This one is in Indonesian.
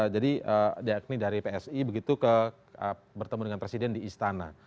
jadi yakni dari psi begitu bertemu dengan presiden di istana